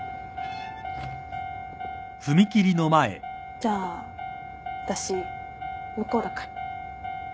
じゃあ私向こうだから。